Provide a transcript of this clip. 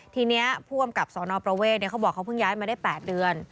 ทีนี้ผู้กำกับสนประเวทเขาบอกเขาเพิ่งย้ายมาได้๘เดือน